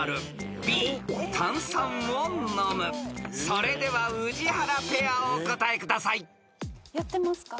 ［それでは宇治原ペアお答えください］やってますか？